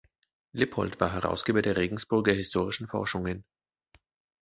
Lippold war Herausgeber der "Regensburger Historischen Forschungen".